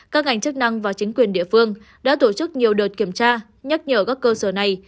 các ngành chức năng và chính quyền địa phương đã tổ chức nhiều đợt kiểm tra nhắc nhở các cơ sở này